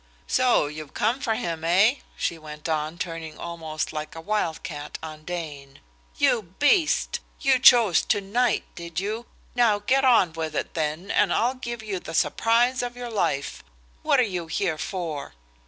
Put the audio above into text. So you've come for him, eh?" she went on, turning almost like a wild cat on Dane. "You beast! You chose to night, did you? Now get on with it, then, and I'll give you the surprise of your life. What are you here for?"